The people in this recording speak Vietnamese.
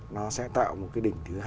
nó sẽ tạo một cái đỉnh thứ hai